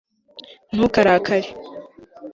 ntukarakare